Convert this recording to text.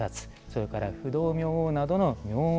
それから、不動明王などの明王。